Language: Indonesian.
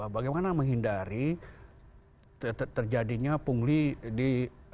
bagaimana menghindari terjadinya pungli di